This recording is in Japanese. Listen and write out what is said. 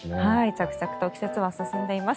着々と季節は進んでいます。